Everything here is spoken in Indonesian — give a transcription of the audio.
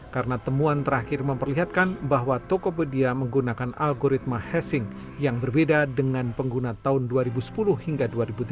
karena temuan terakhir memperlihatkan bahwa tokopedia menggunakan algoritma hashing yang berbeda dengan pengguna tahun dua ribu sepuluh hingga dua ribu tiga belas